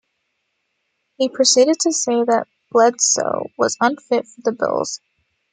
He proceeded to say that Bledsoe was "unfit for the Bills".